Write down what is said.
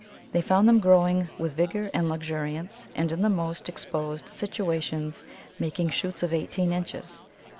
They found them growing "with vigour and luxuriance, and in the most exposed situations making shoots of eighteen inches....